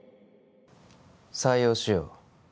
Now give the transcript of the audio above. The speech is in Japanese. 採用しよう